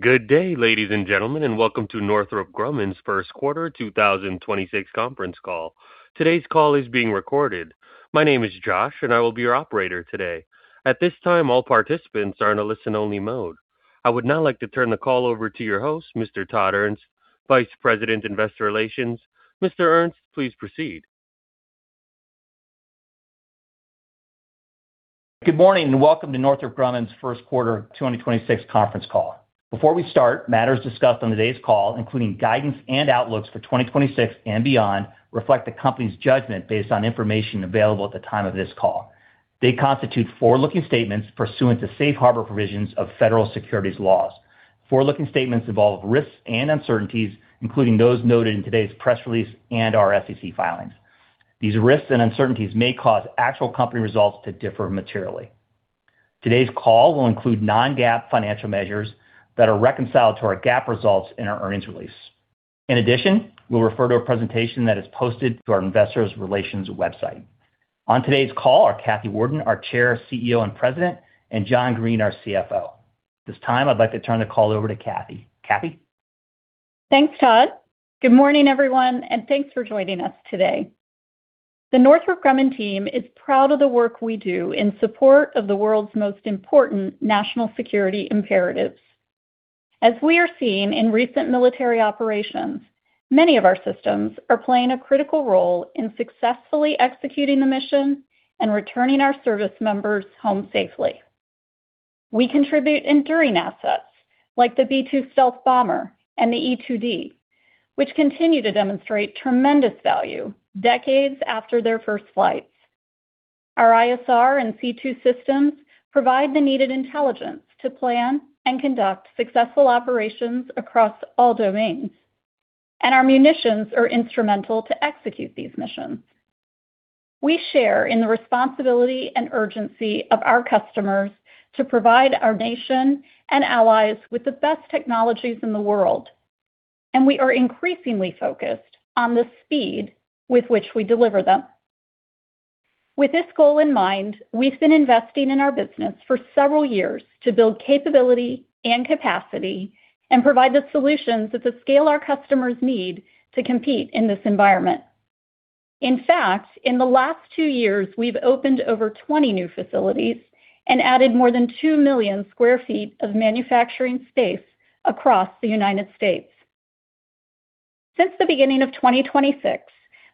Good day, ladies and gentlemen, and welcome to Northrop Grumman's First Quarter 2026 Conference Call. Today's call is being recorded. My name is Josh, and I will be your operator today. At this time, all participants are in a listen-only mode. I would now like to turn the call over to your host, Mr. Todd Ernst, Vice President, Investor Relations. Mr. Ernst, please proceed. Good morning, and welcome to Northrop Grumman's First Quarter 2026 Conference Call. Before we start, matters discussed on today's call, including guidance and outlooks for 2026 and beyond, reflect the company's judgment based on information available at the time of this call. They constitute forward-looking statements pursuant to Safe Harbor provisions of federal securities laws. Forward-looking statements involve risks and uncertainties, including those noted in today's press release and our SEC filings. These risks and uncertainties may cause actual company results to differ materially. Today's call will include non-GAAP financial measures that are reconciled to our GAAP results in our earnings release. In addition, we'll refer to a presentation that is posted to our investor relations website. On today's call are Kathy Warden, our Chair, CEO, and President, and John Greene, our CFO. At this time, I'd like to turn the call over to Kathy. Kathy? Thanks, Todd. Good morning, everyone, and thanks for joining us today. The Northrop Grumman team is proud of the work we do in support of the world's most important national security imperative. As we are seeing in recent military operations, many of our systems are playing a critical role in successfully executing the mission and returning our service members home safely. We contribute enduring assets like the B-2 Stealth Bomber and the E-2D, which continue to demonstrate tremendous value decades after their first flights. Our ISR and C2 systems provide the needed intelligence to plan and conduct successful operations across all domains, and our munitions are instrumental to execute these missions. We share in the responsibility and urgency of our customers to provide our nation and allies with the best technologies in the world, and we are increasingly focused on the speed with which we deliver them. With this goal in mind, we've been investing in our business for several years to build capability and capacity and provide the solutions at the scale our customers need to compete in this environment. In fact, in the last two years, we've opened over 20 new facilities and added more than 2 million sq ft of manufacturing space across the United States. Since the beginning of 2026,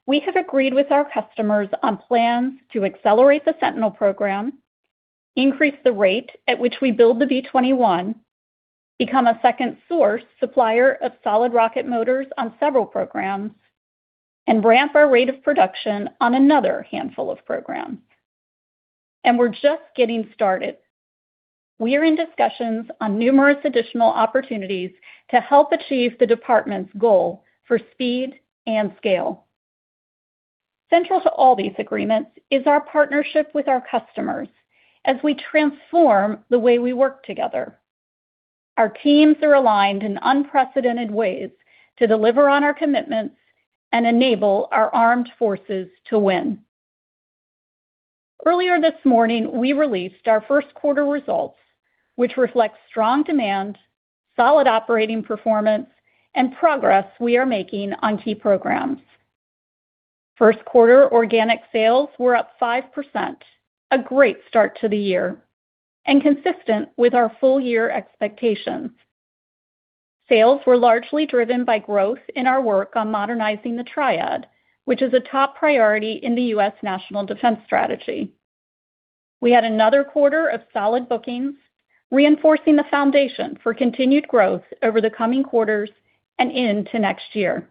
we have agreed with our customers on plans to accelerate the Sentinel program, increase the rate at which we build the B-21, become a second source supplier of solid rocket motors on several programs, and ramp our rate of production on another handful of programs. We're just getting started. We are in discussions on numerous additional opportunities to help achieve the department's goal for speed and scale. Central to all these agreements is our partnership with our customers as we transform the way we work together. Our teams are aligned in unprecedented ways to deliver on our commitments and enable our armed forces to win. Earlier this morning, we released our first quarter results, which reflect strong demand, solid operating performance, and progress we are making on key programs. First quarter organic sales were up 5%, a great start to the year, and consistent with our full-year expectations. Sales were largely driven by growth in our work on modernizing the triad, which is a top priority in the U.S. National Defense Strategy. We had another quarter of solid bookings, reinforcing the foundation for continued growth over the coming quarters and into next year.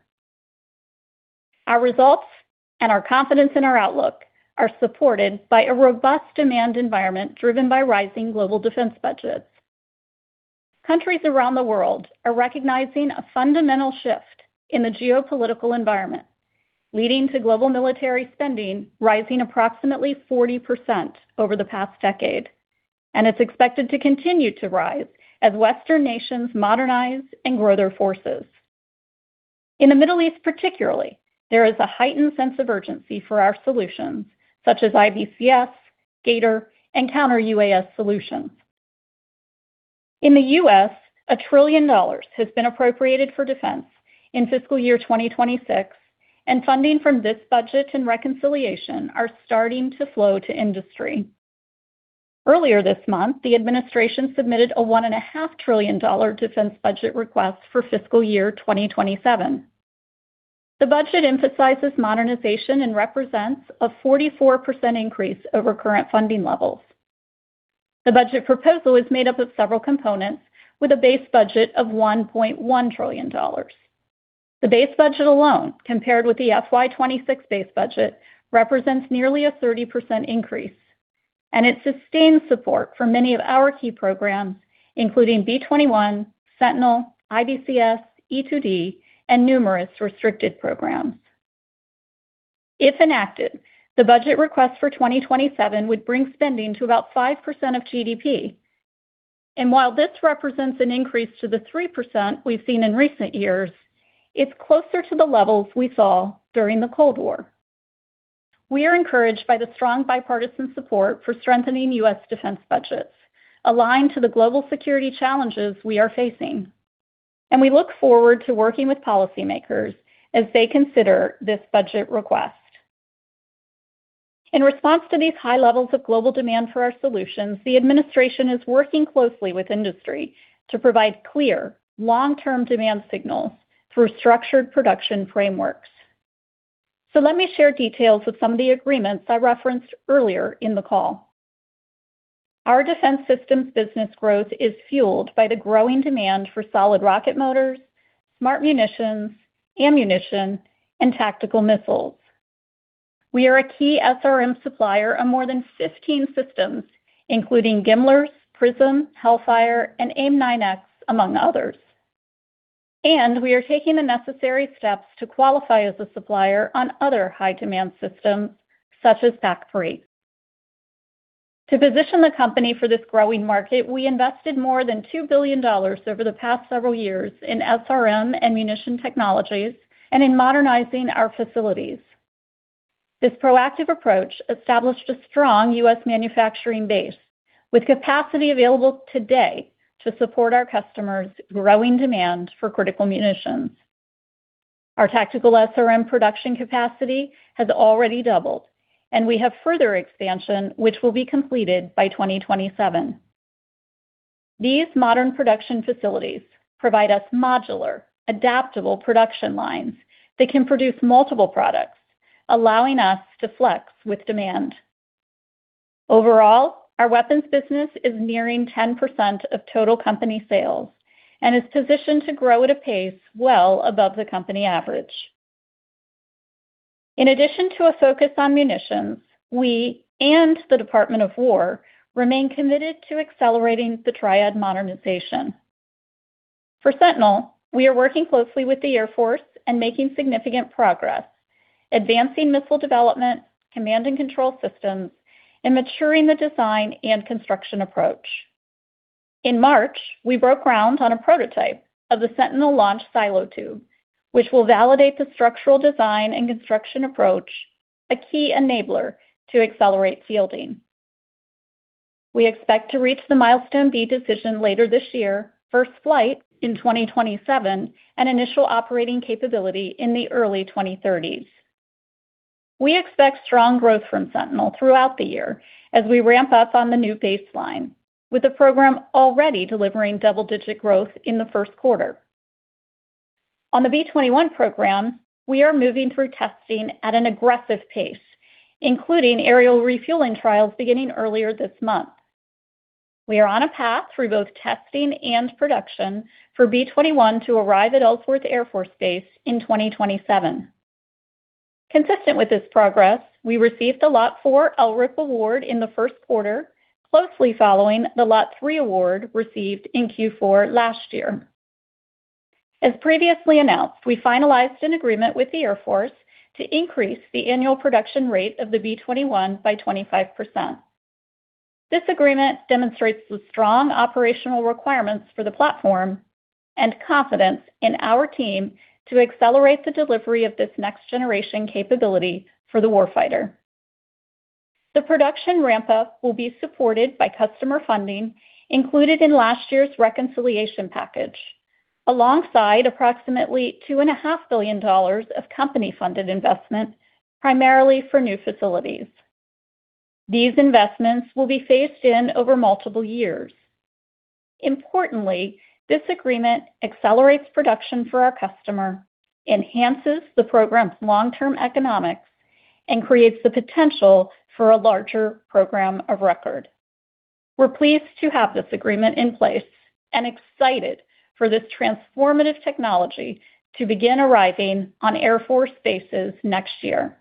Our results and our confidence in our outlook are supported by a robust demand environment driven by rising global defense budgets. Countries around the world are recognizing a fundamental shift in the geopolitical environment, leading to global military spending rising approximately 40% over the past decade. It's expected to continue to rise as Western nations modernize and grow their forces. In the Middle East particularly, there is a heightened sense of urgency for our solutions such as IBCS, G/ATOR, and Counter-UAS solutions. In the U.S., $1 trillion has been appropriated for defense in fiscal year 2026, and funding from this budget and reconciliation are starting to flow to industry. Earlier this month, the administration submitted a $1.5 trillion defense budget request for fiscal year 2027. The budget emphasizes modernization and represents a 44% increase over current funding levels. The budget proposal is made up of several components with a base budget of $1.1 trillion. The base budget alone, compared with the FY 2026 base budget, represents nearly a 30% increase, and it sustains support for many of our key programs, including B-21, Sentinel, IBCS, E-2D, and numerous restricted programs. If enacted, the budget request for 2027 would bring spending to about 5% of GDP. While this represents an increase to the 3% we've seen in recent years, it's closer to the levels we saw during the Cold War. We are encouraged by the strong bipartisan support for strengthening U.S. defense budgets, aligned to the global security challenges we are facing. We look forward to working with policymakers as they consider this budget request. In response to these high levels of global demand for our solutions, the administration is working closely with industry to provide clear, long-term demand signals through structured production frameworks. Let me share details of some of the agreements I referenced earlier in the call. Our Defense Systems business growth is fueled by the growing demand for solid rocket motors, smart munitions, ammunition, and tactical missiles. We are a key SRM supplier on more than 15 systems, including GMLRS, PrSM, Hellfire, and AIM-9X, among others. We are taking the necessary steps to qualify as a supplier on other high-demand systems, such as PAC-3. To position the company for this growing market, we invested more than $2 billion over the past several years in SRM ammunition technologies and in modernizing our facilities. This proactive approach established a strong U.S. manufacturing base with capacity available today to support our customers' growing demand for critical munitions. Our tactical SRM production capacity has already doubled, and we have further expansion, which will be completed by 2027. These modern production facilities provide us modular, adaptable production lines that can produce multiple products, allowing us to flex with demand. Overall, our weapons business is nearing 10% of total company sales and is positioned to grow at a pace well above the company average. In addition to a focus on munitions, we and the Department of War remain committed to accelerating the triad modernization. For Sentinel, we are working closely with the Air Force and making significant progress advancing missile development, command and control systems, and maturing the design and construction approach. In March, we broke ground on a prototype of the Sentinel launch silo tube, which will validate the structural design and construction approach, a key enabler to accelerate fielding. We expect to reach the Milestone B decision later this year, first flight in 2027, and initial operating capability in the early 2030s. We expect strong growth from Sentinel throughout the year as we ramp up on the new baseline, with the program already delivering double-digit growth in the first quarter. On the B-21 program, we are moving through testing at an aggressive pace, including aerial refueling trials beginning earlier this month. We are on a path through both testing and production for B-21 to arrive at Ellsworth Air Force Base in 2027. Consistent with this progress, we received the Lot 4 LRIP award in the first quarter, closely following the Lot 3 award received in Q4 last year. As previously announced, we finalized an agreement with the Air Force to increase the annual production rate of the B-21 by 25%. This agreement demonstrates the strong operational requirements for the platform and confidence in our team to accelerate the delivery of this next-generation capability for the warfighter. The production ramp-up will be supported by customer funding included in last year's reconciliation package, alongside approximately $2.5 billion of company-funded investment, primarily for new facilities. These investments will be phased in over multiple years. Importantly, this agreement accelerates production for our customer, enhances the program's long-term economics, and creates the potential for a larger program of record. We're pleased to have this agreement in place and excited for this transformative technology to begin arriving on Air Force bases next year.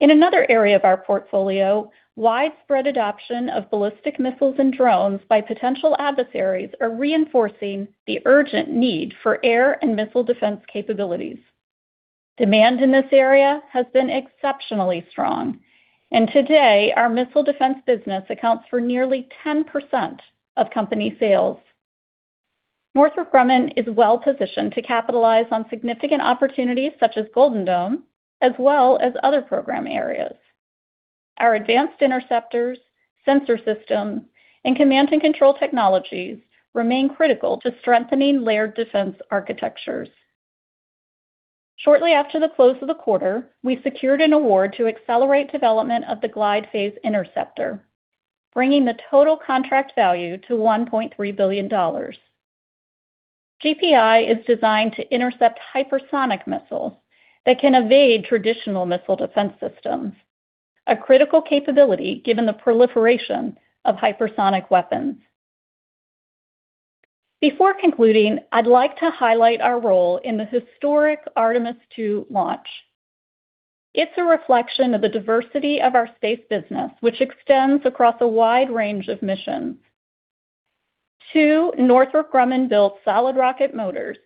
In another area of our portfolio, widespread adoption of ballistic missiles and drones by potential adversaries are reinforcing the urgent need for air and missile defense capabilities. Demand in this area has been exceptionally strong, and today, our missile defense business accounts for nearly 10% of company sales. Northrop Grumman is well-positioned to capitalize on significant opportunities such as Golden Dome, as well as other program areas. Our advanced interceptors, sensor systems, and command and control technologies remain critical to strengthening layered defense architectures. Shortly after the close of the quarter, we secured an award to accelerate development of the Glide Phase Interceptor, bringing the total contract value to $1.3 billion. GPI is designed to intercept hypersonic missiles that can evade traditional missile defense systems, a critical capability given the proliferation of hypersonic weapons. Before concluding, I'd like to highlight our role in the historic Artemis II launch. It's a reflection of the diversity of our space business, which extends across a wide range of missions. Two Northrop Grumman-built solid rocket motors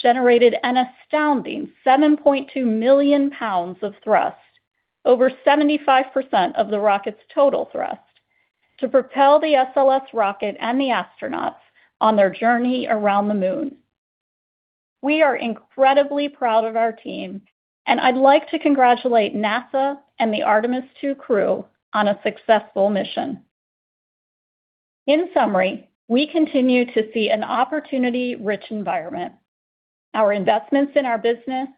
generated an astounding 7.2 million pounds of thrust, over 75% of the rocket's total thrust, to propel the SLS rocket and the astronauts on their journey around the Moon. We are incredibly proud of our team, and I'd like to congratulate NASA and the Artemis II crew on a successful mission. In summary, we continue to see an opportunity-rich environment. Our investments in our business,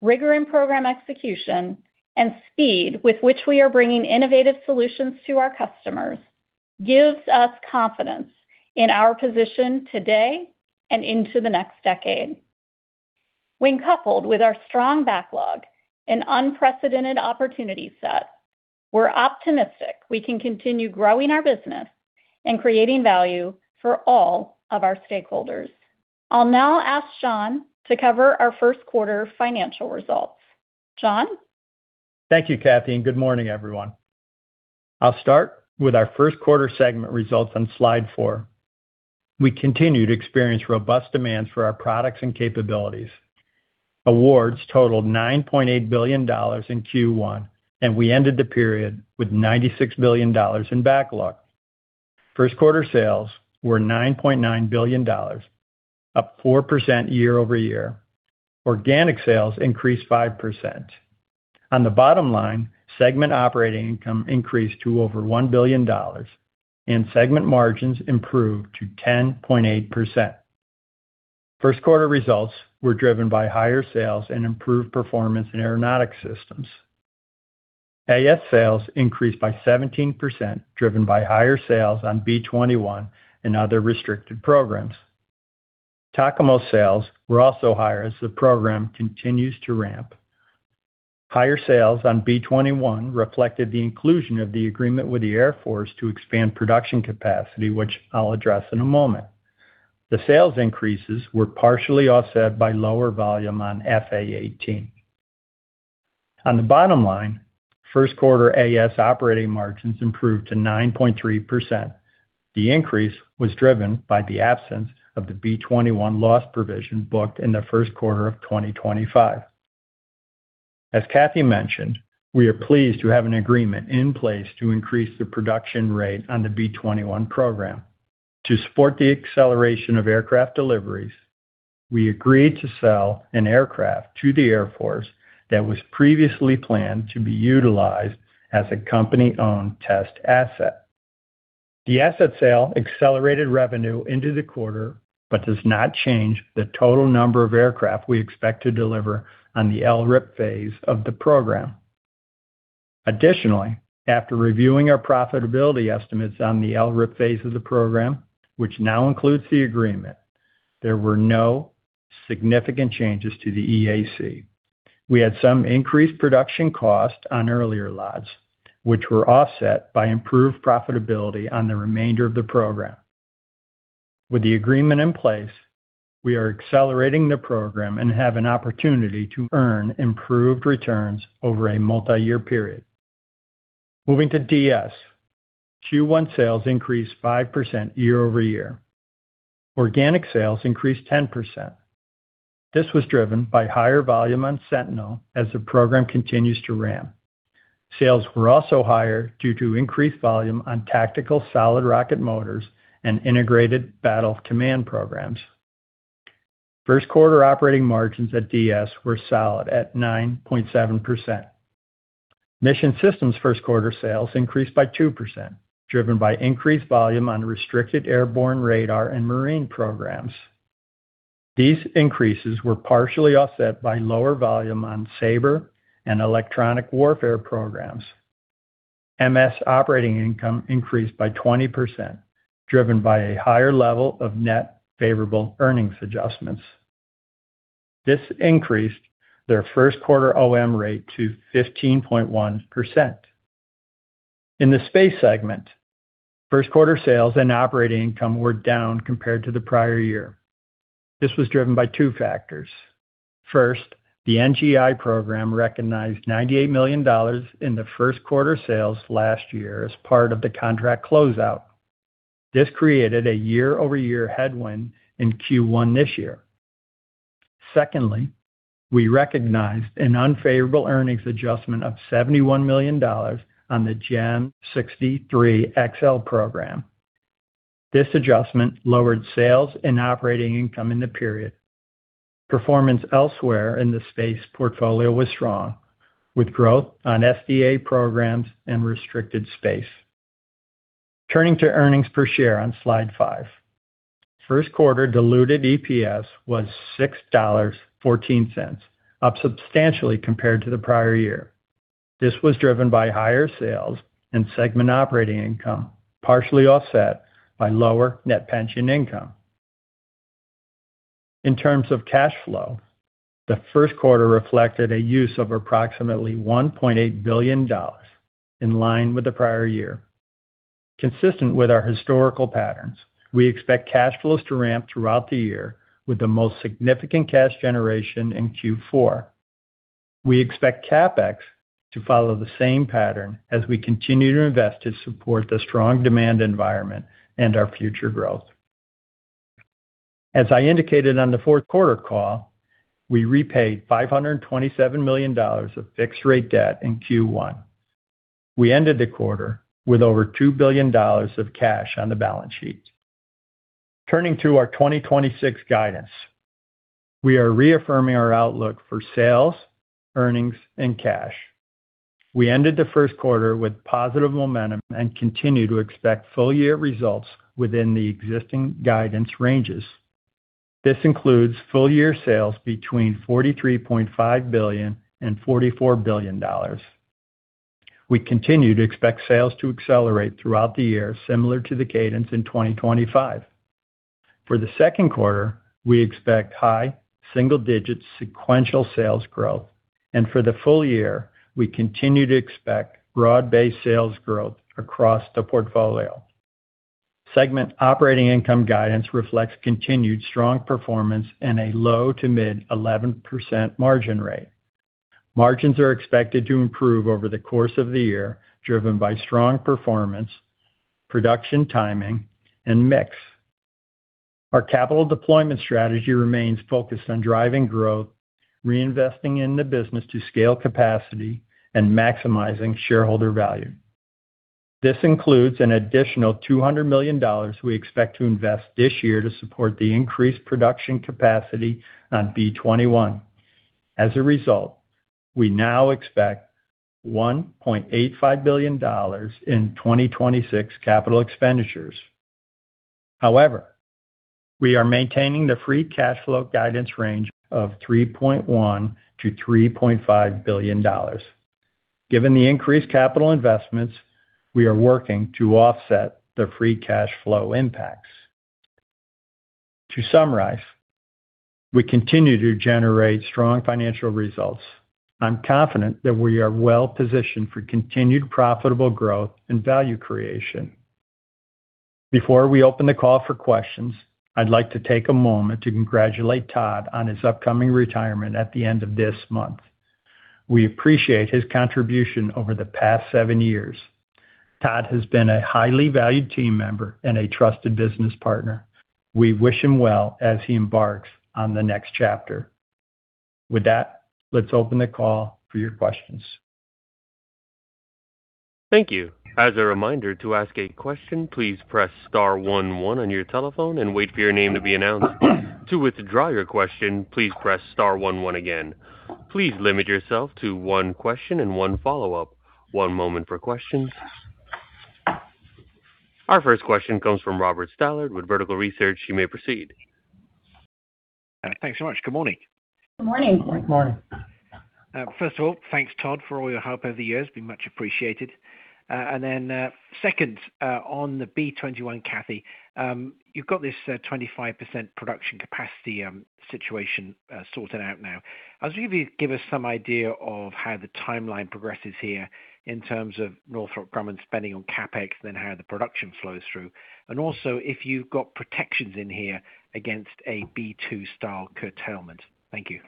rigor in program execution, and speed with which we are bringing innovative solutions to our customers gives us confidence in our position today and into the next decade. When coupled with our strong backlog and unprecedented opportunity set, we're optimistic we can continue growing our business and creating value for all of our stakeholders. I'll now ask John to cover our first quarter financial results. John? Thank you, Kathy, and good morning, everyone. I'll start with our first quarter segment results on slide four. We continue to experience robust demand for our products and capabilities. Awards totaled $9.8 billion in Q1, and we ended the period with $96 billion in backlog. First quarter sales were $9.9 billion, up 4% year-over-year. Organic sales increased 5%. On the bottom line, segment operating income increased to over $1 billion and segment margins improved to 10.8%. First quarter results were driven by higher sales and improved performance in Aeronautics Systems. AS sales increased by 17%, driven by higher sales on B-21 and other restricted programs. TACAMO sales were also higher as the program continues to ramp. Higher sales on B-21 reflected the inclusion of the agreement with the Air Force to expand production capacity, which I'll address in a moment. The sales increases were partially offset by lower volume on F/A-18. On the bottom line, first quarter AS operating margins improved to 9.3%. The increase was driven by the absence of the B-21 loss provision booked in the first quarter of 2025. As Kathy mentioned, we are pleased to have an agreement in place to increase the production rate on the B-21 program. To support the acceleration of aircraft deliveries, we agreed to sell an aircraft to the Air Force that was previously planned to be utilized as a company-owned test asset. The asset sale accelerated revenue into the quarter but does not change the total number of aircraft we expect to deliver on the LRIP phase of the program. Additionally, after reviewing our profitability estimates on the LRIP phase of the program, which now includes the agreement, there were no significant changes to the EAC. We had some increased production cost on earlier lots, which were offset by improved profitability on the remainder of the program. With the agreement in place, we are accelerating the program and have an opportunity to earn improved returns over a multi-year period. Moving to DS. Q1 sales increased 5% year-over-year. Organic sales increased 10%. This was driven by higher volume on Sentinel as the program continues to ramp. Sales were also higher due to increased volume on tactical solid rocket motors and Integrated Battle Command programs. First quarter operating margins at DS were solid at 9.7%. Mission Systems' first quarter sales increased by 2%, driven by increased volume on restricted airborne radar and marine programs. These increases were partially offset by lower volume on SABR and electronic warfare programs. MS operating income increased by 20%, driven by a higher level of net favorable earnings adjustments. This increased their first quarter OM rate to 15.1%. In the Space segment, first quarter sales and operating income were down compared to the prior year. This was driven by two factors. First, the NGI program recognized $98 million in the first quarter sales last year as part of the contract closeout. This created a year-over-year headwind in Q1 this year. Secondly, we recognized an unfavorable earnings adjustment of $71 million on the GEM 63XL program. This adjustment lowered sales and operating income in the period. Performance elsewhere in the space portfolio was strong, with growth on SDA programs and restricted space. Turning to earnings per share on slide five. First quarter diluted EPS was $6.14, up substantially compared to the prior year. This was driven by higher sales and segment operating income, partially offset by lower net pension income. In terms of cash flow, the first quarter reflected a use of approximately $1.8 billion, in line with the prior year. Consistent with our historical patterns, we expect cash flows to ramp throughout the year with the most significant cash generation in Q4. We expect CapEx to follow the same pattern as we continue to invest to support the strong demand environment and our future growth. As I indicated on the fourth quarter call, we repaid $527 million of fixed-rate debt in Q1. We ended the quarter with over $2 billion of cash on the balance sheet. Turning to our 2026 guidance, we are reaffirming our outlook for sales, earnings, and cash. We ended the first quarter with positive momentum and continue to expect full-year results within the existing guidance ranges. This includes full-year sales between $43.5 billion and $44 billion. We continue to expect sales to accelerate throughout the year, similar to the cadence in 2025. For the second quarter, we expect high single-digit sequential sales growth. For the full year, we continue to expect broad-based sales growth across the portfolio. Segment operating income guidance reflects continued strong performance and a low- to mid-11% margin rate. Margins are expected to improve over the course of the year, driven by strong performance, production timing, and mix. Our capital deployment strategy remains focused on driving growth, reinvesting in the business to scale capacity, and maximizing shareholder value. This includes an additional $200 million we expect to invest this year to support the increased production capacity on B-21. As a result, we now expect $1.85 billion in 2026 capital expenditures. However, we are maintaining the free cash flow guidance range of $3.1 billion-$3.5 billion. Given the increased capital investments, we are working to offset the free cash flow impacts. To summarize, we continue to generate strong financial results. I'm confident that we are well-positioned for continued profitable growth and value creation. Before we open the call for questions, I'd like to take a moment to congratulate Todd on his upcoming retirement at the end of this month. We appreciate his contribution over the past seven years. Todd has been a highly valued team member and a trusted business partner. We wish him well as he embarks on the next chapter. With that, let's open the call for your questions. Thank you. As a reminder, to ask a question, please press star one one on your telephone and wait for your name to be announced. To withdraw your question, please press star one one again. Please limit yourself to one question and one follow-up. One moment for questions. Our first question comes from Robert Stallard with Vertical Research. You may proceed. Thanks so much. Good morning. Good morning. Good morning. First of all, thanks, Todd, for all your help over the years. It's been much appreciated. Second, on the B-21, Kathy, you've got this 25% production capacity situation sorted out now. I was wondering if you could give us some idea of how the timeline progresses here in terms of Northrop Grumman spending on CapEx, then how the production flows through. Also, if you've got protections in here against a B-2 style curtailment. Thank you.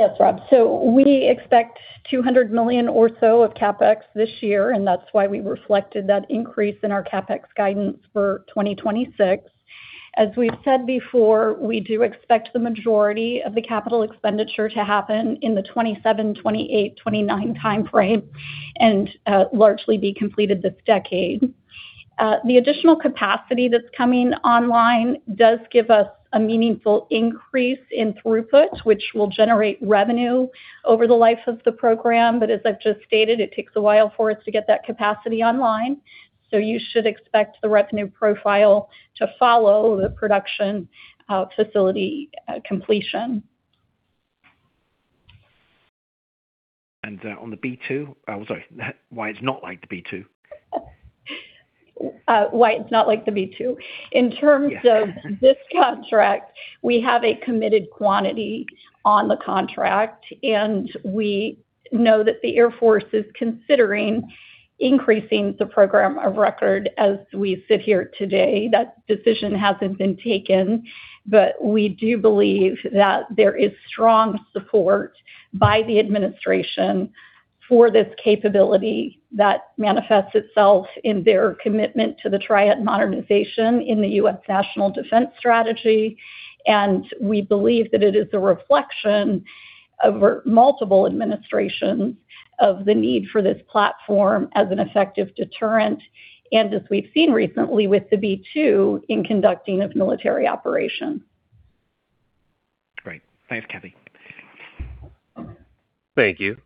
Yes, Rob. We expect $200 million or so of CapEx this year, and that's why we reflected that increase in our CapEx guidance for 2026. As we've said before, we do expect the majority of the capital expenditure to happen in the 2027, 2028, 2029 time frame and largely be completed this decade. The additional capacity that's coming online does give us a meaningful increase in throughput, which will generate revenue over the life of the program. But as I've just stated, it takes a while for us to get that capacity online. You should expect the revenue profile to follow the production facility completion. Then on B-2? Oh, sorry, why it's not like the B-2. Why it's not like the B-2? Yeah. In terms of this contract, we have a committed quantity on the contract, and we know that the Air Force is considering increasing the program of record as we sit here today. That decision hasn't been taken, but we do believe that there is strong support by the administration for this capability that manifests itself in their commitment to the triad modernization in the U.S. National Defense Strategy. We believe that it is a reflection over multiple administrations of the need for this platform as an effective deterrent, and as we've seen recently with the B-2, in conducting of military operations. Great. Thanks, Kathy. Thank you.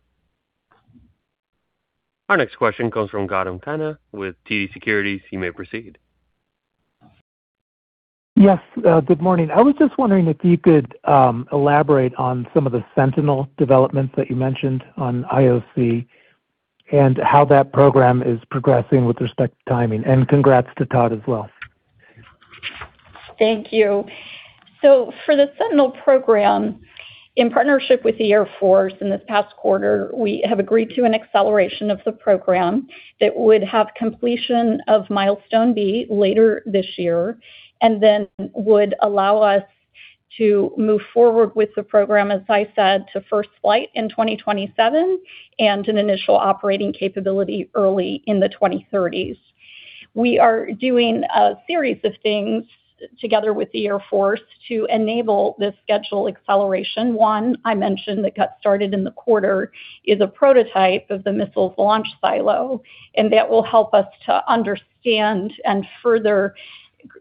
Our next question comes from Gautam Khanna with TD Securities. You may proceed. Yes. Good morning. I was just wondering if you could elaborate on some of the Sentinel developments that you mentioned on IOC and how that program is progressing with respect to timing. Congrats to Todd as well. Thank you. For the Sentinel program, in partnership with the Air Force in this past quarter, we have agreed to an acceleration of the program that would have completion of Milestone B later this year and then would allow us to move forward with the program, as I said, to first flight in 2027 and an initial operating capability early in the 2030s. We are doing a series of things together with the Air Force to enable this schedule acceleration. One, I mentioned, that got started in the quarter is a prototype of the missile launch silo, and that will help us to understand and further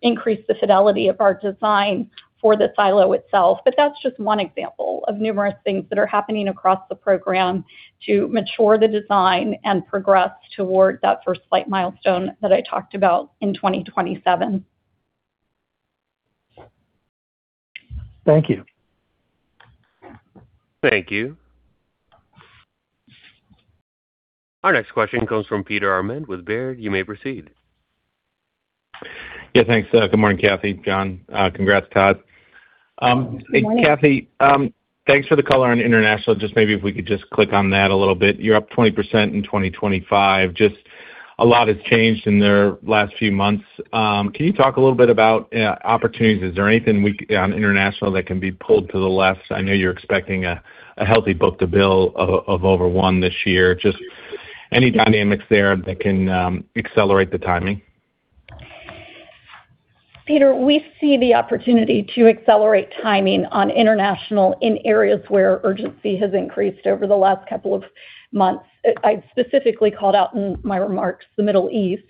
increase the fidelity of our design for the silo itself. That's just one example of numerous things that are happening across the program to mature the design and progress toward that first flight milestone that I talked about in 2027. Thank you. Thank you. Our next question comes from Peter Arment with Baird. You may proceed. Yeah, thanks. Good morning, Kathy, John. Congrats, Todd. Good morning. Hey, Kathy, thanks for the color on international. Just maybe if we could just click on that a little bit. You're up 20% in 2025. Just a lot has changed in the last few months. Can you talk a little bit about opportunities? Is there anything on international that can be pulled to the left? I know you're expecting a healthy book-to-bill of over 1 this year. Just any dynamics there that can accelerate the timing? Peter, we see the opportunity to accelerate timing on international in areas where urgency has increased over the last couple of months. I specifically called out in my remarks the Middle East,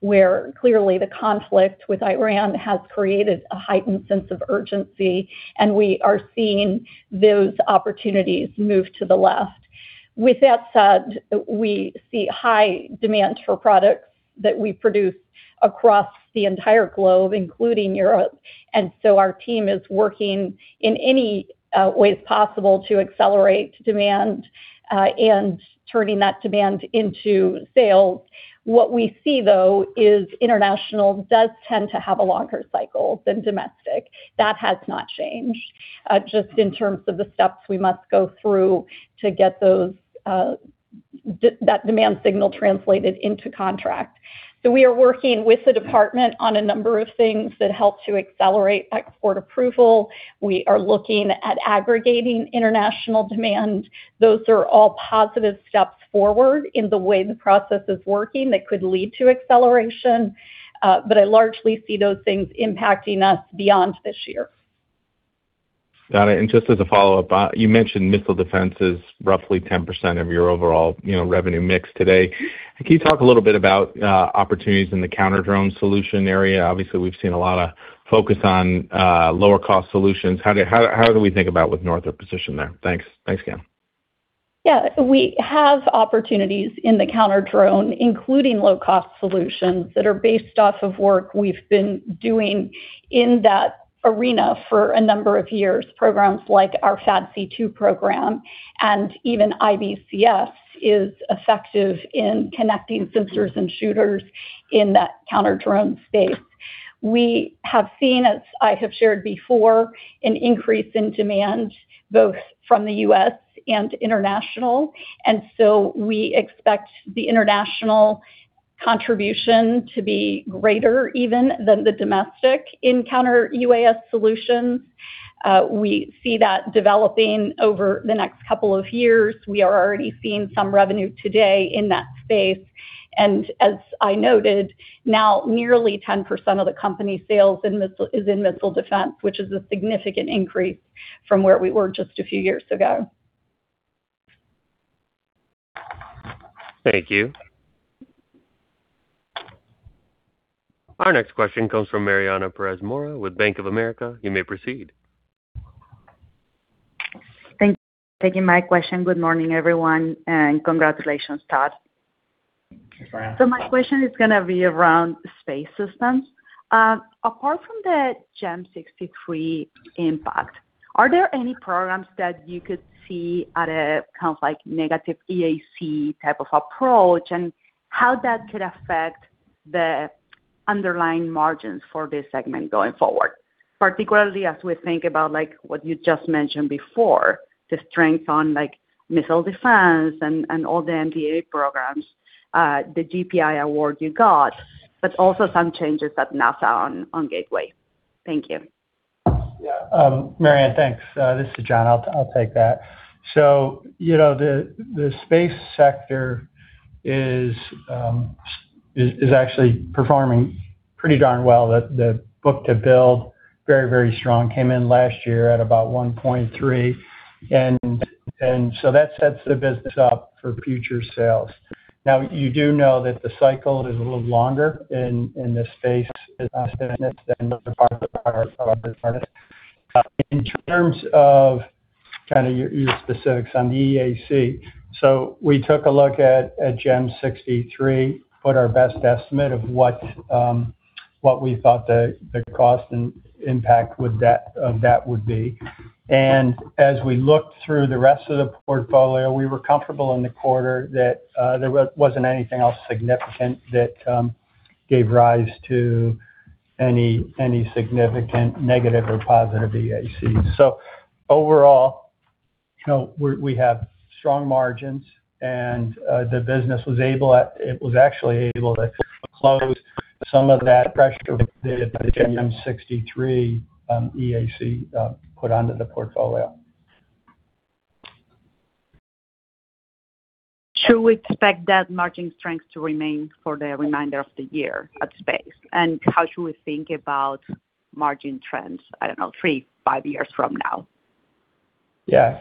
where clearly the conflict with Iran has created a heightened sense of urgency, and we are seeing those opportunities move to the left. With that said, we see high demand for products that we produce across the entire globe, including Europe. Our team is working in any ways possible to accelerate demand, and turning that demand into sales. What we see, though, is international does tend to have a longer cycle than domestic. That has not changed. Just in terms of the steps we must go through to get that demand signal translated into contract. We are working with the department on a number of things that help to accelerate export approval. We are looking at aggregating international demand. Those are all positive steps forward in the way the process is working that could lead to acceleration. I largely see those things impacting us beyond this year. Got it. Just as a follow-up, you mentioned missile defense is roughly 10% of your overall revenue mix today. Can you talk a little bit about opportunities in the counter-drone solution area? Obviously, we've seen a lot of focus on lower cost solutions. How do we think about Northrop's position there? Thanks. Thanks, Kathy. Yeah. We have opportunities in the counter-drone, including low-cost solutions that are based off of work we've been doing in that arena for a number of years, programs like our FAAD C2 program, and even IBCS is effective in connecting sensors and shooters in that counter-drone space. We have seen, as I have shared before, an increase in demand both from the U.S. and international. We expect the international contribution to be greater even than the domestic in Counter-UAS solutions. We see that developing over the next couple of years. We are already seeing some revenue today in that space. As I noted, now nearly 10% of the company's sales is in missile defense, which is a significant increase from where we were just a few years ago. Thank you. Our next question comes from Mariana Pérez Mora with Bank of America. You may proceed. Thank you for taking my question. Good morning, everyone, and congratulations, Todd. Thanks, Mariana. My question is going to be around Space Systems. Apart from the GEM 63 impact, are there any programs that you could see at a kind of negative EAC type of approach, and how that could affect the underlying margins for this segment going forward, particularly as we think about what you just mentioned before, the strength on missile defense and all the MDA programs, the GPI award you got, but also some changes at NASA on Gateway. Thank you. Yeah. Mariana, thanks. This is John. I'll take that. The space sector is actually performing pretty darn well. The book-to-bill, very, very strong. Came in last year at about 1.3, that sets the business up for future sales. Now, you do know that the cycle is a little longer in this space than other parts of our business. In terms of kind of your specifics on the EAC, we took a look at GEM 63, put our best estimate of what we thought the cost and impact of that would be. As we looked through the rest of the portfolio, we were comfortable in the quarter that there wasn't anything else significant that gave rise to any significant negative or positive EAC. Overall, we have strong margins and the business was actually able to close some of that pressure created by the GEM 63 EAC put onto the portfolio. Should we expect that margin strength to remain for the remainder of the year at space? How should we think about margin trends, I don't know, three, five years from now? Yeah.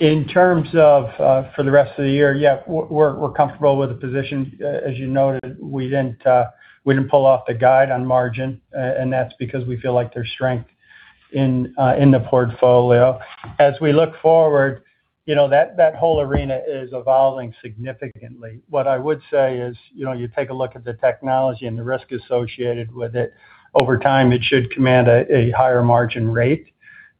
In terms of for the rest of the year, yeah, we're comfortable with the position. As you noted, we didn't pull off the guide on margin, and that's because we feel like there's strength in the portfolio. As we look forward, that whole arena is evolving significantly. What I would say is, you take a look at the technology and the risk associated with it. Over time, it should command a higher margin rate,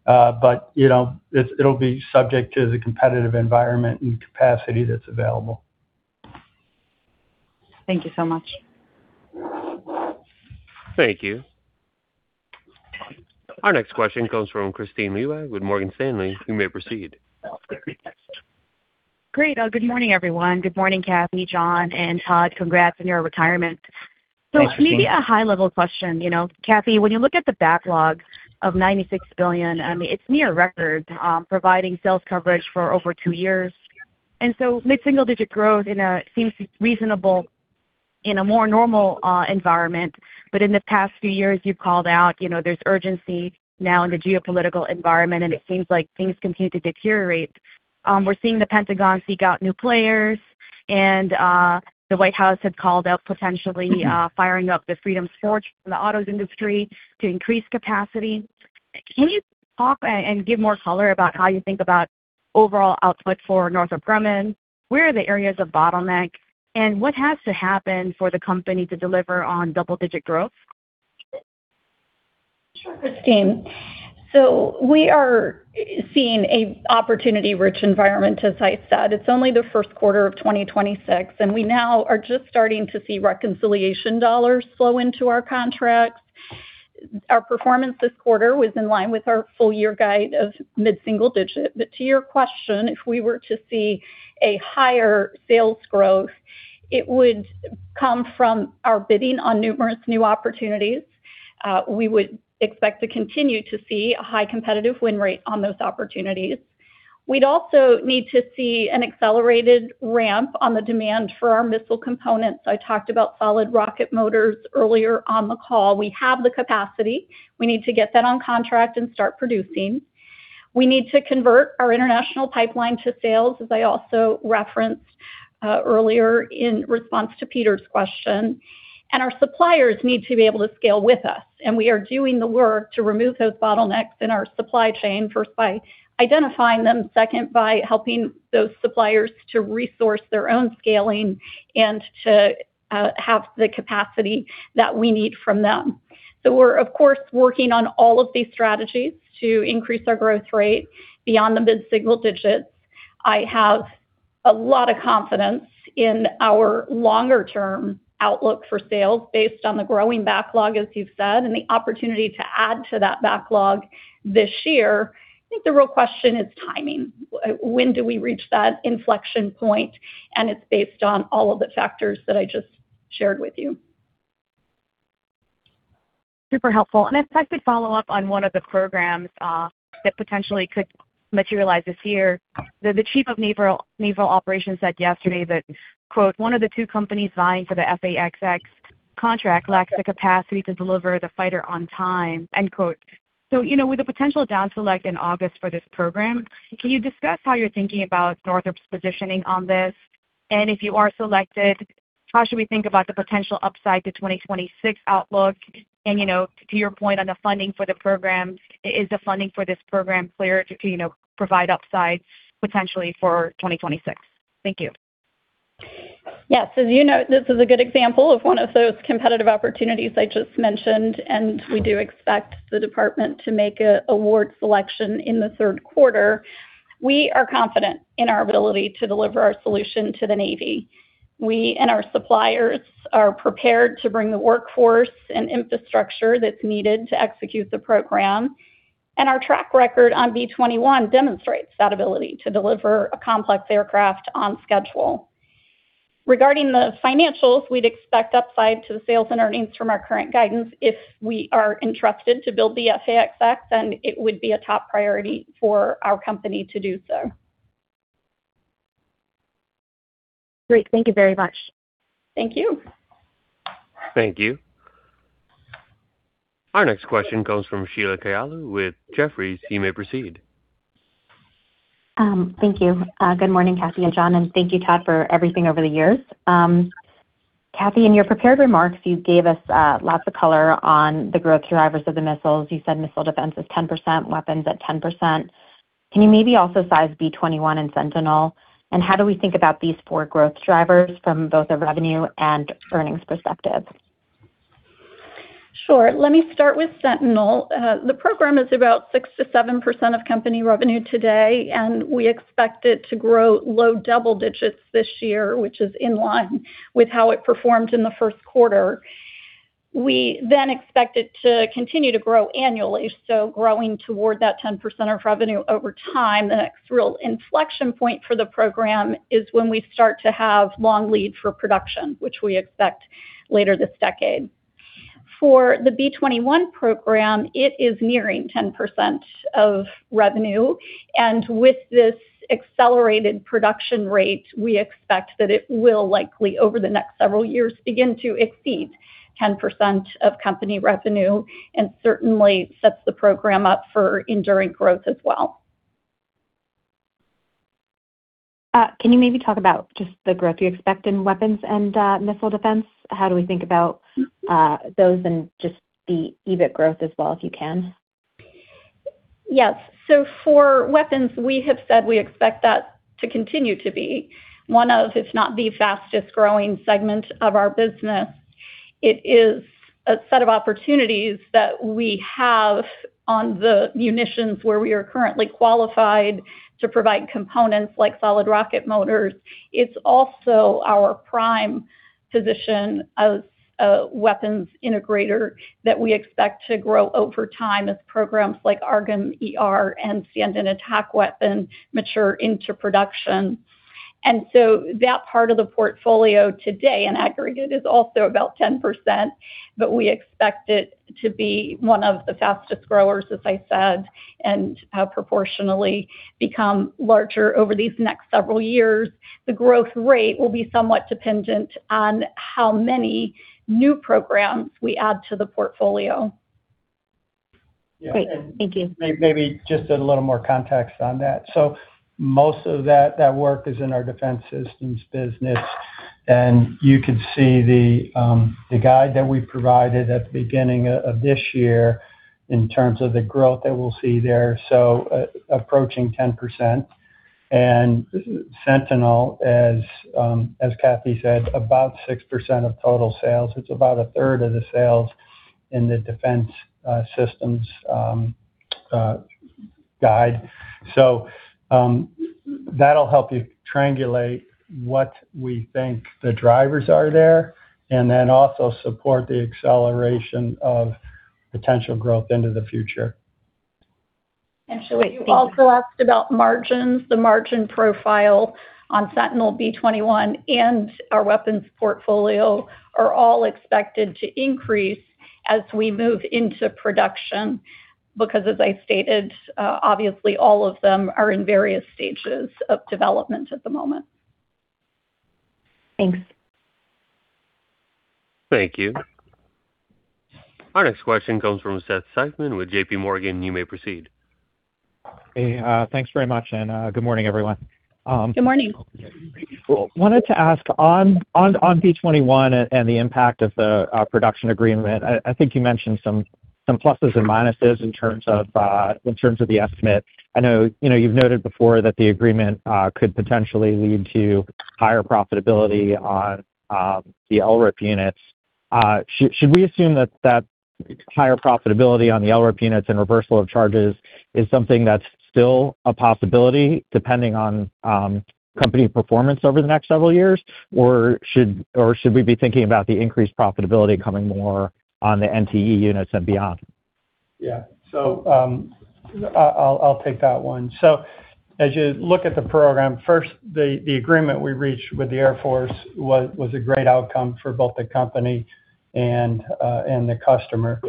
but it'll be subject to the competitive environment and capacity that's available. Thank you so much. Thank you. Our next question comes from Kristine Liwag with Morgan Stanley. You may proceed. Great. Good morning, everyone. Good morning, Kathy, John, and Todd. Congrats on your retirement. Thanks, Kristine. It's maybe a high-level question. Kathy, when you look at the backlog of $96 billion, it's near record, providing sales coverage for over two years. Mid-single-digit growth seems reasonable in a more normal environment. In the past few years, you've called out, there's urgency now in the geopolitical environment, and it seems like things continue to deteriorate. We're seeing the Pentagon seek out new players, and the White House had called out potentially firing up the Freedom's Forge from the auto industry to increase capacity. Can you talk and give more color about how you think about overall output for Northrop Grumman? Where are the areas of bottleneck, and what has to happen for the company to deliver on double-digit growth? Sure, Kristine. We are seeing an opportunity-rich environment, as I said. It's only the first quarter of 2026, and we now are just starting to see reconciliation dollars flow into our contracts. Our performance this quarter was in line with our full-year guide of mid-single digit. To your question, if we were to see a higher sales growth, it would come from our bidding on numerous new opportunities. We would expect to continue to see a high competitive win rate on those opportunities. We'd also need to see an accelerated ramp on the demand for our missile components. I talked about solid rocket motors earlier on the call. We have the capacity. We need to get that on contract and start producing. We need to convert our international pipeline to sales, as I also referenced earlier in response to Peter's question. Our suppliers need to be able to scale with us, and we are doing the work to remove those bottlenecks in our supply chain, first by identifying them, second by helping those suppliers to resource their own scaling and to have the capacity that we need from them. We're, of course, working on all of these strategies to increase our growth rate beyond the mid-single digits. I have a lot of confidence in our longer-term outlook for sales based on the growing backlog, as you've said, and the opportunity to add to that backlog this year. I think the real question is timing. When do we reach that inflection point? It's based on all of the factors that I just shared with you. Super helpful. If I could follow up on one of the programs that potentially could materialize this year. The Chief of Naval Operations said yesterday that, quote, "One of the two companies vying for the F/A-XX contract lacks the capacity to deliver the fighter on time." End quote. With the potential down select in August for this program, can you discuss how you're thinking about Northrop's positioning on this? If you are selected, how should we think about the potential upside to 2026 outlook? To your point on the funding for the program, is the funding for this program clear to provide upside potentially for 2026? Thank you. Yes. As you know, this is a good example of one of those competitive opportunities I just mentioned, and we do expect the department to make an award selection in the third quarter. We are confident in our ability to deliver our solution to the Navy. We and our suppliers are prepared to bring the workforce and infrastructure that's needed to execute the program. Our track record on B-21 demonstrates that ability to deliver a complex aircraft on schedule. Regarding the financials, we'd expect upside to the sales and earnings from our current guidance if we are entrusted to build the F/A-XX, and it would be a top priority for our company to do so. Great. Thank you very much. Thank you. Thank you. Our next question comes from Sheila Kahyaoglu with Jefferies. You may proceed. Thank you. Good morning, Kathy and John, and thank you, Todd, for everything over the years. Kathy, in your prepared remarks, you gave us lots of color on the growth drivers of the missiles. You said missile defense is 10%, weapons at 10%. Can you maybe also size B-21 and Sentinel? How do we think about these four growth drivers from both a revenue and earnings perspective? Sure. Let me start with Sentinel. The program is about 6%-7% of company revenue today, and we expect it to grow low double digits this year, which is in line with how it performed in the first quarter. We then expect it to continue to grow annually, so growing toward that 10% of revenue over time. The next real inflection point for the program is when we start to have long lead for production, which we expect later this decade. For the B21 program, it is nearing 10% of revenue. With this accelerated production rate, we expect that it will likely, over the next several years, begin to exceed 10% of company revenue, and certainly sets the program up for enduring growth as well. Can you maybe talk about just the growth you expect in weapons and missile defense? How do we think about those and just the EBIT growth as well, if you can? Yes. For weapons, we have said we expect that to continue to be one of, if not the fastest-growing segment of our business. It is a set of opportunities that we have on the munitions where we are currently qualified to provide components like solid rocket motors. It's also our prime position as a weapons integrator that we expect to grow over time as programs like AARGM-ER and Stand-in Attack Weapon mature into production. That part of the portfolio today in aggregate is also about 10%, but we expect it to be one of the fastest growers, as I said, and proportionally become larger over these next several years. The growth rate will be somewhat dependent on how many new programs we add to the portfolio. Great. Thank you. Maybe just a little more context on that. Most of that work is in our Defense Systems business, and you can see the guide that we provided at the beginning of this year in terms of the growth that we'll see there. Approaching 10%. Sentinel, as Kathy said, about 6% of total sales. It's about a third of the sales in the Defense Systems guide. That'll help you triangulate what we think the drivers are there, and then also support the acceleration of potential growth into the future. Sheila, you also asked about margins. The margin profile on Sentinel, B-21 and our weapons portfolio are all expected to increase as we move into production, because as I stated, obviously all of them are in various stages of development at the moment. Thanks. Thank you. Our next question comes from Seth Seifman with JPMorgan. You may proceed. Hey, thanks very much, and good morning, everyone. Good morning. Wanted to ask on B-21 and the impact of the production agreement. I think you mentioned some pluses and minuses in terms of the estimate. I know you've noted before that the agreement could potentially lead to higher profitability on the LRIP units. Should we assume that higher profitability on the LRIP units and reversal of charges is something that's still a possibility depending on company performance over the next several years? Or should we be thinking about the increased profitability coming more on the NTE units and beyond? Yeah. I'll take that one. As you look at the program, first, the agreement we reached with the Air Force was a great outcome for both the company and the customer.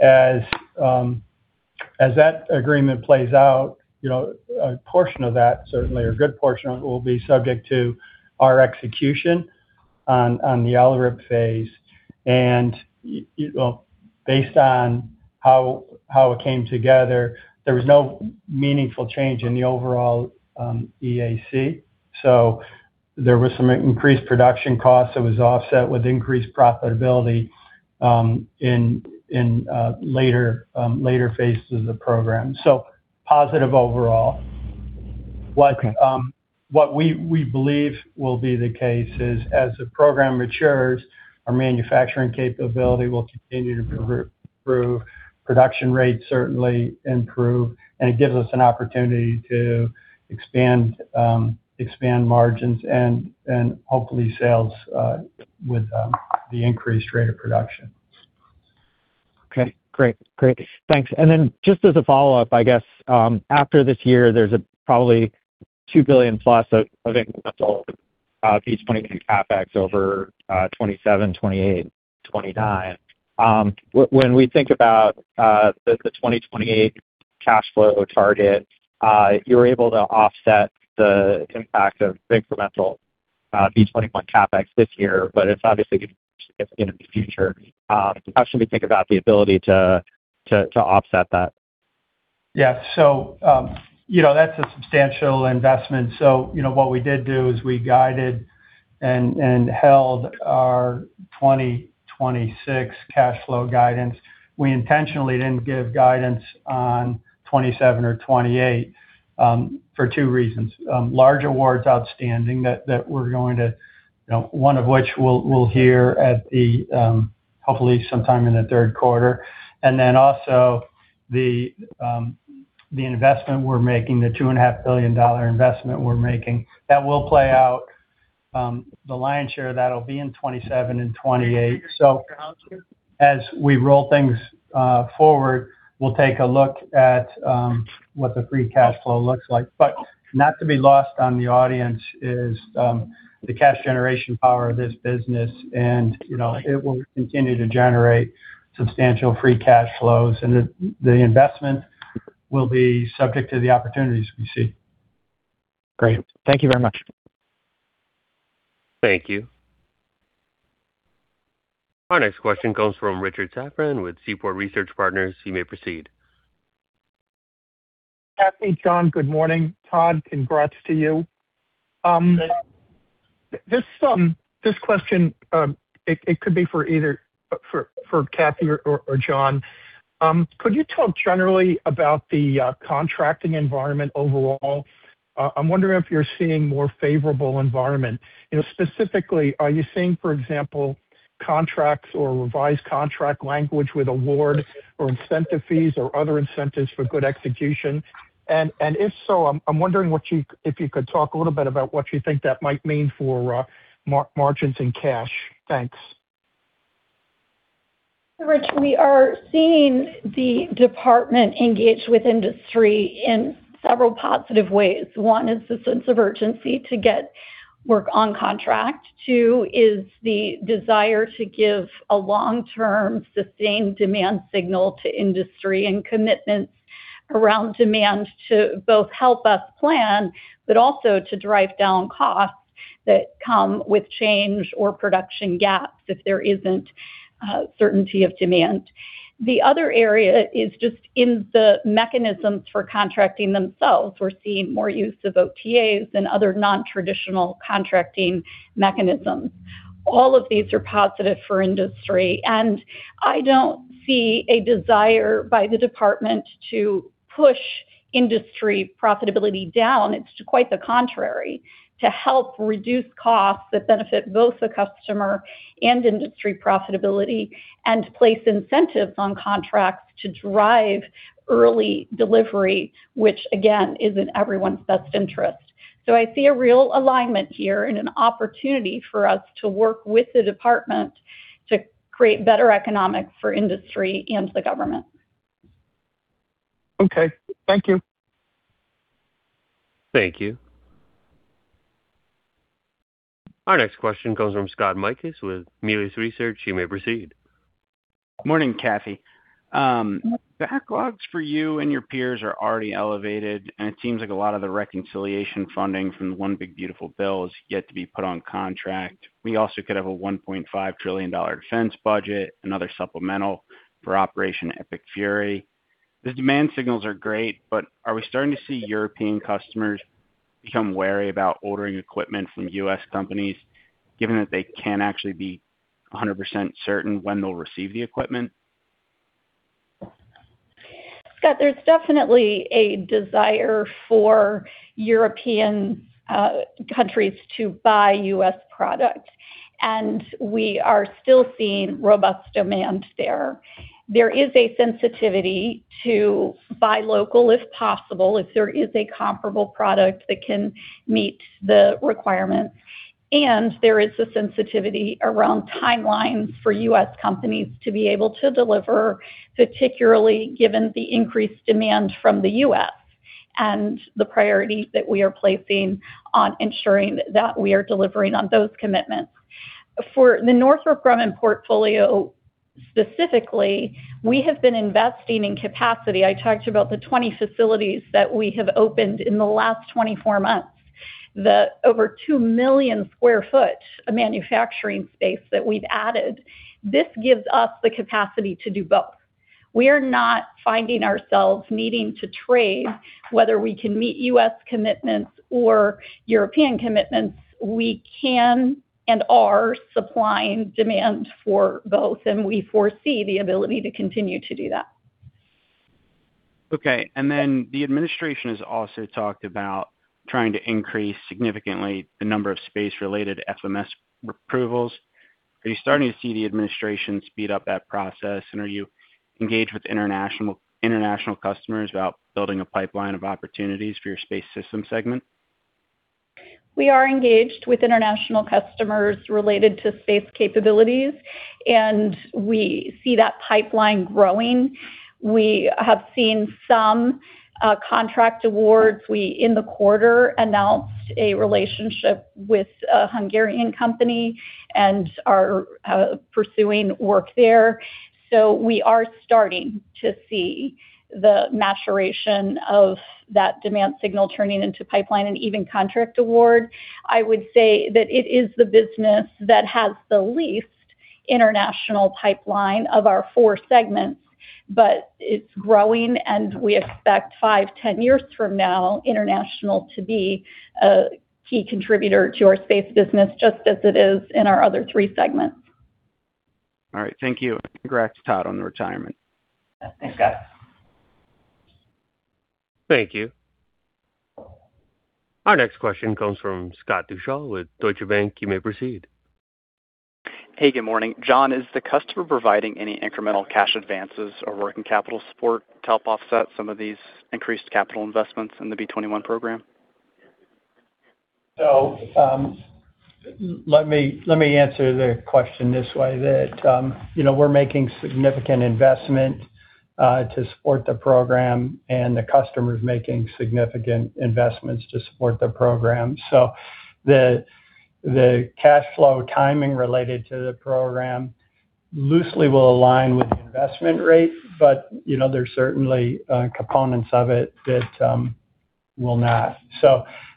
As that agreement plays out, a portion of that, certainly a good portion of it, will be subject to our execution on the LRIP phase. Based on how it came together, there was no meaningful change in the overall EAC. There was some increased production cost that was offset with increased profitability in later phases of the program. Positive overall. Okay. What we believe will be the case is as the program matures, our manufacturing capability will continue to improve. Production rates certainly improve, and it gives us an opportunity to expand margins and hopefully sales with the increased rate of production. Okay. Great. Thanks. Just as a follow-up, I guess, after this year, there's probably $2 billion+ of incremental B-21 CapEx over 2027, 2028, 2029. When we think about the 2028 cash flow target, you're able to offset the impact of incremental B-21 CapEx this year, but it's obviously going to be in the future. How should we think about the ability to offset that? Yeah. That's a substantial investment. What we did do is we guided and held our 2026 cash flow guidance. We intentionally didn't give guidance on 2027 or 2028 for two reasons: large awards outstanding, one of which we'll hear at the, hopefully sometime in the third quarter. Then also the investment we're making, the $2.5 billion investment we're making, that will play out. The lion's share of that'll be in 2027 and 2028. As we roll things forward, we'll take a look at what the free cash flow looks like. Not to be lost on the audience is the cash generation power of this business, and it will continue to generate substantial free cash flows. The investment will be subject to the opportunities we see. Great. Thank you very much. Thank you. Our next question comes from Richard Safran with Seaport Research Partners. You may proceed. Kathy, John, good morning. Todd, congrats to you. Thanks. This question, it could be for either Kathy or John. Could you talk generally about the contracting environment overall? I'm wondering if you're seeing more favorable environment. Specifically, are you seeing, for example, contracts or revised contract language with award or incentive fees or other incentives for good execution? If so, I'm wondering if you could talk a little bit about what you think that might mean for margins and cash. Thanks. Rich, we are seeing the department engage with industry in several positive ways. One is the sense of urgency to get work on contract. Two is the desire to give a long-term sustained demand signal to industry and commitments around demand to both help us plan, but also to drive down costs that come with change or production gaps if there isn't certainty of demand. The other area is just in the mechanisms for contracting themselves. We're seeing more use of OTAs than other non-traditional contracting mechanisms. All of these are positive for industry, and I don't see a desire by the department to push industry profitability down. It's quite the contrary, to help reduce costs that benefit both the customer and industry profitability and place incentives on contracts to drive early delivery, which again, is in everyone's best interest. I see a real alignment here and an opportunity for us to work with the department to create better economics for industry and the government. Okay. Thank you. Thank you. Our next question comes from Scott Mikus with Melius Research. You may proceed. Morning, Kathy. Backlogs for you and your peers are already elevated, and it seems like a lot of the reconciliation funding from the One Big Beautiful Bill is yet to be put on contract. We also could have a $1.5 trillion defense budget, another supplemental for Operation Epic Fury. The demand signals are great, but are we starting to see European customers become wary about ordering equipment from U.S. companies, given that they can't actually be 100% certain when they'll receive the equipment? Scott, there's definitely a desire for European countries to buy U.S. product, and we are still seeing robust demand there. There is a sensitivity to buy local, if possible, if there is a comparable product that can meet the requirements. There is a sensitivity around timelines for U.S. companies to be able to deliver, particularly given the increased demand from the U.S. and the priority that we are placing on ensuring that we are delivering on those commitments. For the Northrop Grumman portfolio, specifically, we have been investing in capacity. I talked about the 20 facilities that we have opened in the last 24 months, the over 2 million sq ft of manufacturing space that we've added. This gives us the capacity to do both. We are not finding ourselves needing to trade, whether we can meet U.S. commitments or European commitments. We can and are supplying demand for both, and we foresee the ability to continue to do that. Okay. Then the administration has also talked about trying to increase significantly the number of space-related FMS approvals. Are you starting to see the administration speed up that process? Are you engaged with international customers about building a pipeline of opportunities for your Space Systems segment? We are engaged with international customers related to space capabilities, and we see that pipeline growing. We have seen some contract awards. We, in the quarter, announced a relationship with a Hungarian company and are pursuing work there. We are starting to see the maturation of that demand signal turning into pipeline and even contract award. I would say that it is the business that has the least international pipeline of our four segments, but it's growing and we expect five, 10 years from now, international to be a key contributor to our space business, just as it is in our other three segments. All right. Thank you. Congrats to Todd on the retirement. Thanks, Scott. Thank you. Our next question comes from Scott Deuschle with Deutsche Bank. You may proceed. Hey, good morning. John, is the customer providing any incremental cash advances or working capital support to help offset some of these increased capital investments in the B-21 program? Let me answer the question this way that, we're making significant investment to support the program and the customer's making significant investments to support the program. The cash flow timing related to the program loosely will align with the investment rate, but there's certainly components of it that will not.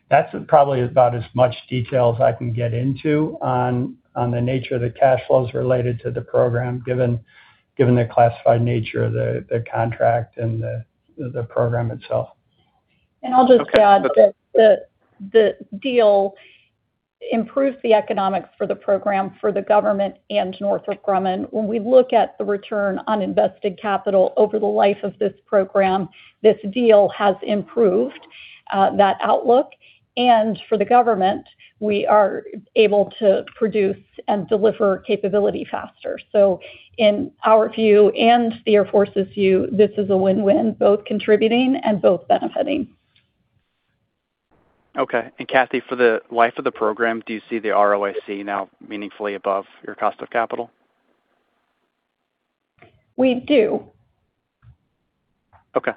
That's probably about as much detail as I can get into on the nature of the cash flows related to the program, given the classified nature of the contract and the program itself. I'll just add that the deal improves the economics for the program for the government and Northrop Grumman. When we look at the return on invested capital over the life of this program, this deal has improved that outlook. For the government, we are able to produce and deliver capability faster. In our view and the Air Force's view, this is a win-win, both contributing and both benefiting. Okay. Kathy, for the life of the program, do you see the ROIC now meaningfully above your cost of capital? We do. Okay.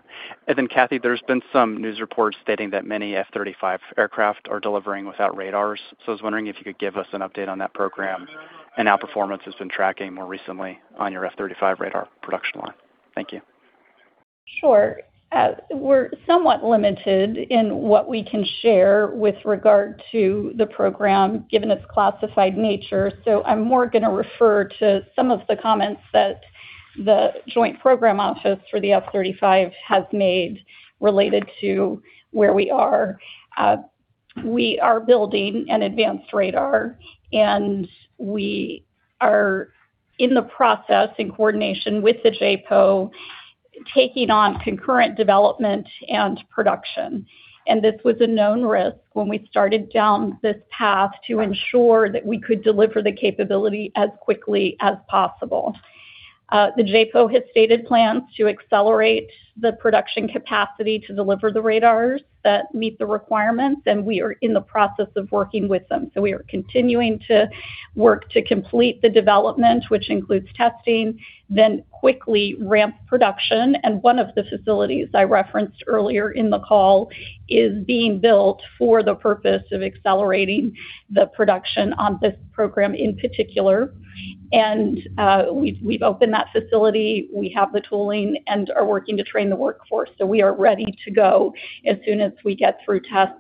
Kathy, there's been some news reports stating that many F-35 aircraft are delivering without radars. I was wondering if you could give us an update on that program and how performance has been tracking more recently on your F-35 radar production line. Thank you. Sure. We're somewhat limited in what we can share with regard to the program, given its classified nature. I'm more going to refer to some of the comments that the Joint Program Office for the F-35 has made related to where we are. We are building an advanced radar, and we are in the process, in coordination with the JPO, taking on concurrent development and production. This was a known risk when we started down this path to ensure that we could deliver the capability as quickly as possible. The JPO has stated plans to accelerate the production capacity to deliver the radars that meet the requirements, and we are in the process of working with them. We are continuing to work to complete the development, which includes testing, then quickly ramp production. One of the facilities I referenced earlier in the call is being built for the purpose of accelerating the production on this program in particular. We've opened that facility. We have the tooling and are working to train the workforce. We are ready to go as soon as we get through test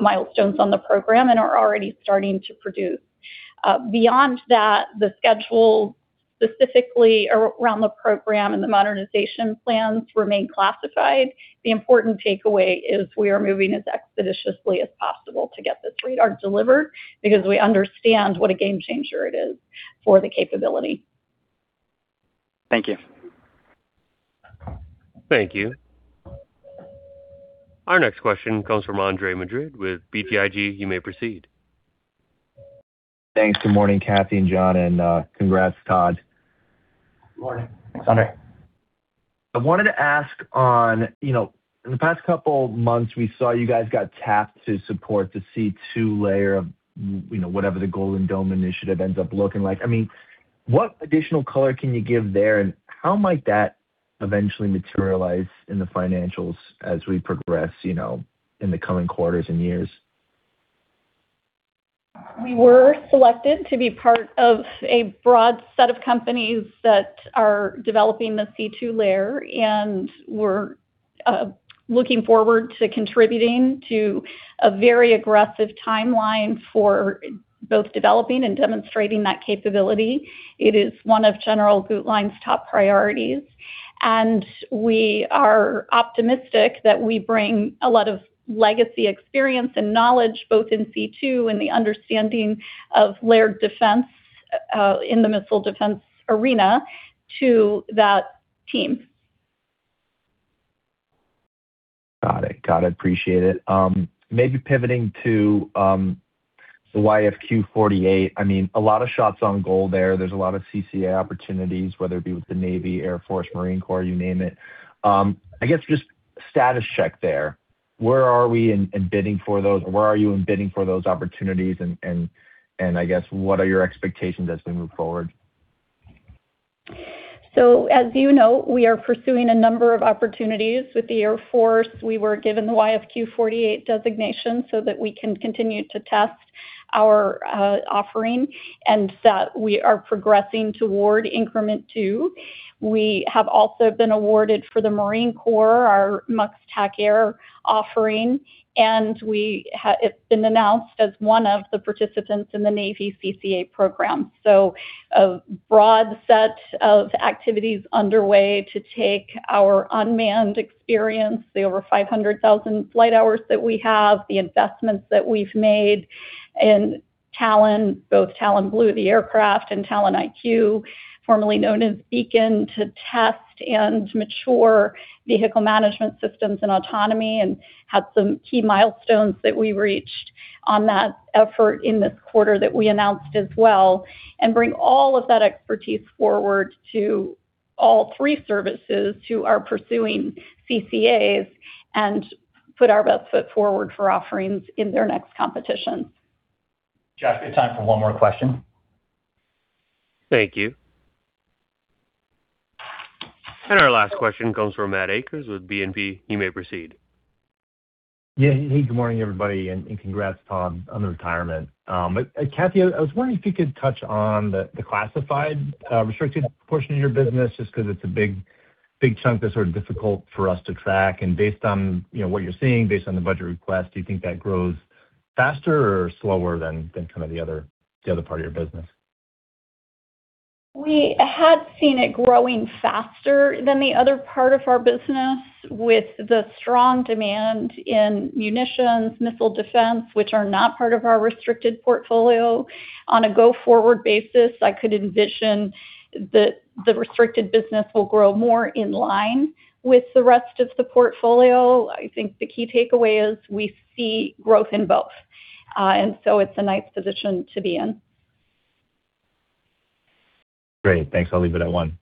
milestones on the program and are already starting to produce. Beyond that, the schedule, specifically around the program and the modernization plans, remain classified. The important takeaway is we are moving as expeditiously as possible to get this radar delivered because we understand what a game changer it is for the capability. Thank you. Thank you. Our next question comes from Andre Madrid with BTIG. You may proceed. Thanks. Good morning, Kathy and John, and congrats, Todd. Good morning. Thanks, Andre. I wanted to ask on, in the past couple months, we saw you guys got tapped to support the C2 layer of whatever the Golden Dome initiative ends up looking like. What additional color can you give there, and how might that eventually materialize in the financials as we progress, in the coming quarters and years? We were selected to be part of a broad set of companies that are developing the C2 layer, and we're looking forward to contributing to a very aggressive timeline for both developing and demonstrating that capability. It is one of General Guetlein's top priorities, and we are optimistic that we bring a lot of legacy experience and knowledge, both in C2 and the understanding of layered defense in the missile defense arena to that team. Got it. Appreciate it. Maybe pivoting to the YFQ-48. A lot of shots on goal there. There's a lot of CCA opportunities, whether it be with the Navy, Air Force, Marine Corps, you name it. I guess just status check there. Where are we in bidding for those? Where are you in bidding for those opportunities? I guess, what are your expectations as we move forward? As you know, we are pursuing a number of opportunities with the Air Force. We were given the YFQ 48 designation so that we can continue to test our offering and that we are progressing toward increment two. We have also been awarded for the Marine Corps, our MUX TACAIR offering, and it's been announced as one of the participants in the Navy CCA program. A broad set of activities underway to take our unmanned experience, the over 500,000 flight hours that we have, the investments that we've made in Talon, both Talon Blue, the aircraft, and Talon IQ, formerly known as Beacon, to test and mature vehicle management systems and autonomy and had some key milestones that we reached on that effort in this quarter that we announced as well and bring all of that expertise forward to all three services who are pursuing CCAs and put our best foot forward for offerings in their next competition. Josh, we have time for one more question. Thank you. Our question comes from Matt Akers with BNP. You may proceed. Hey, good morning, everybody, and congrats, Todd, on the retirement. Kathy, I was wondering if you could touch on the classified restricted portion of your business, just because it's a big chunk that's sort of difficult for us to track. Based on what you're seeing, based on the budget request, do you think that grows faster or slower than kind of the other part of your business? We had seen it growing faster than the other part of our business with the strong demand in munitions, missile defense, which are not part of our restricted portfolio. On a go-forward basis, I could envision that the restricted business will grow more in line with the rest of the portfolio. I think the key takeaway is we see growth in both. It's a nice position to be in. Great. Thanks. I'll leave it at one.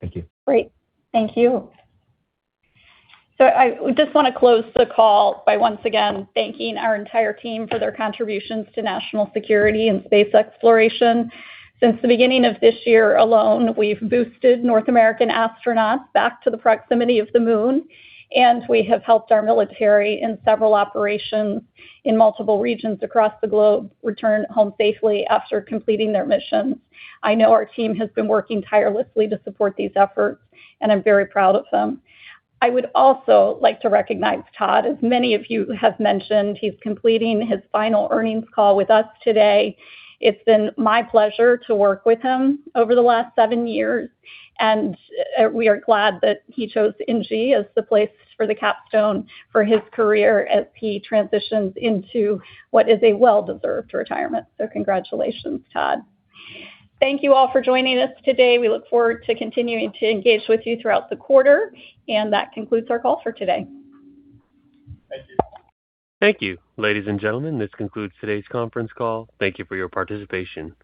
Thank you. Great. Thank you. I just want to close the call by once again thanking our entire team for their contributions to national security and space exploration. Since the beginning of this year alone, we've boosted North American astronauts back to the proximity of the Moon, and we have helped our military in several operations in multiple regions across the globe return home safely after completing their missions. I know our team has been working tirelessly to support these efforts, and I'm very proud of them. I would also like to recognize Todd. As many of you have mentioned, he's completing his final earnings call with us today. It's been my pleasure to work with him over the last seven years, and we are glad that he chose NG as the place for the capstone for his career as he transitions into what is a well-deserved retirement. Congratulations, Todd. Thank you all for joining us today. We look forward to continuing to engage with you throughout the quarter. That concludes our call for today. Thank you. Thank you. Ladies and gentlemen, this concludes today's conference call. Thank you for your participation.